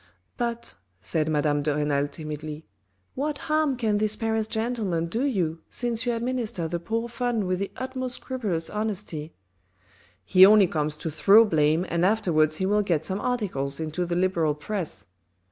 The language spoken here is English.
" But," said Madame de Renal timidly, " what harm can 8 THE RED AND THE BLACK this Paris gentleman do you, since you administer the poor fund with the utmost scrupulous honesty ?"" He only comes to throw blame and afterwards he will get some articles into the Liberal press."